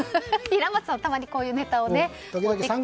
平松さん、たまにこういうネタを持ってきて。